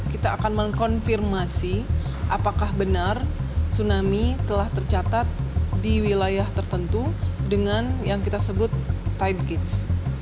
kita akan mengkonfirmasi apakah benar tsunami telah tercatat di wilayah tertentu dengan yang kita sebut tight kits